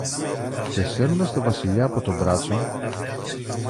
Και σέρνοντας το Βασιλιά από το μπράτσο